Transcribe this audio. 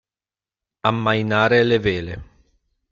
Ammainare le vele.